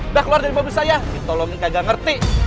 udah keluar dari mobil saya ditolongin kagak ngerti